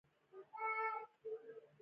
یو څه ستړې شوم.